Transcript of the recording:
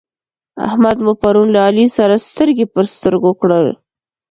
احمد مو پرون له علي سره سترګې پر سترګو کړ.